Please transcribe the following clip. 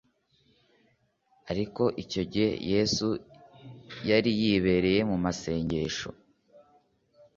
Ariko icyo gihe Yesu yari yibereye mu masengesho